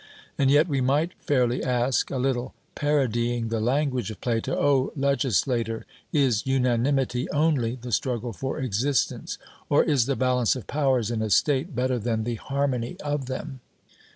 And yet we might fairly ask, a little parodying the language of Plato O legislator, is unanimity only 'the struggle for existence'; or is the balance of powers in a state better than the harmony of them?